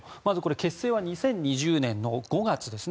結成は２０２０年５月ですね。